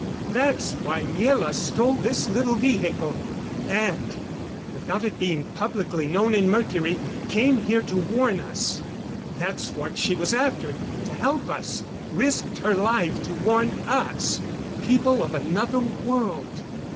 That's why Miela stole this little vehicle and, without it being publicly known in Mercury, came here to warn us. That's what she was after, to help us, risked her life to warn us people of another world."